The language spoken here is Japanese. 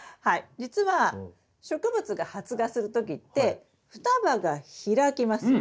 じつは植物が発芽する時って双葉が開きますよね。